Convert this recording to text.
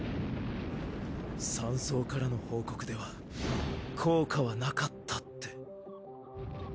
山荘からの報告では効果はなかったって。